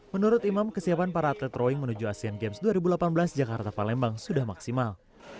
menurut imam kesiapan para atlet roing menuju asean games dua ribu delapan belas jakarta palembang sudah maksimal